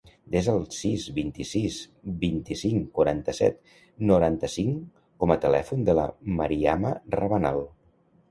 Desa el sis, vint-i-sis, vint-i-cinc, quaranta-set, noranta-cinc com a telèfon de la Mariama Rabanal.